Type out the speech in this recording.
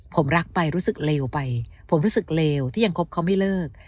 ผมรักไปรู้สึกเลวไปผมรู้สึกเลวที่ยังคบเขาไม่เลิก